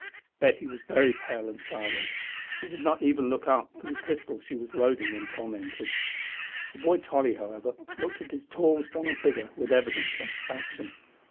Betty was very pale and silent. She did not even look up from the pistol she was loading when Tom entered. The boy Tolly, however, looked at his tall, strong figure with evident satisfaction.